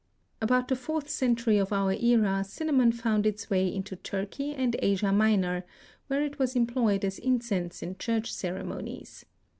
About the fourth century of our era cinnamon found its way into Turkey and Asia Minor, where it was employed as incense in church ceremonies.